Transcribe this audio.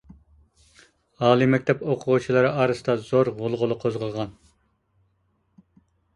ئالىي مەكتەپ ئوقۇغۇچىلىرى ئارىسىدا زور غۇلغۇلا قوزغىغان.